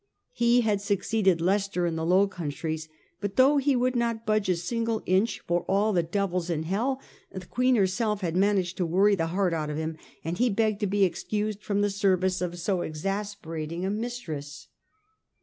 He had succeeded Leicester in the Low Countries, but though " he would not budge a single inch for all the devils in Hell " the Queen herself had managed to worry the heart out of him, and he begged to be excused from the service of so exasperating a mistress.